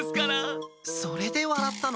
それで笑ったの？